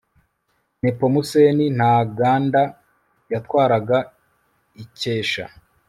Nepomuseni Ntaganda yatwaraga Icyesha